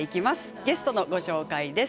ゲストのご紹介です。